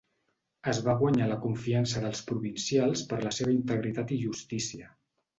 Es va guanyar la confiança dels provincials per la seva integritat i justícia.